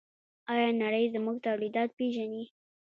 آیا نړۍ زموږ تولیدات پیژني؟